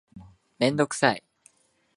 メンドクサイ